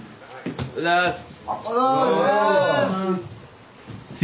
おはようございます。